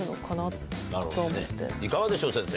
いかがでしょう？